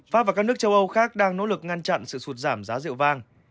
pháp và các nước châu âu khác đang nỗ lực ngăn chặn sự sụt giảm giá rượu vàng